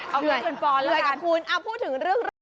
เอาเป็นฟอนแล้วกัน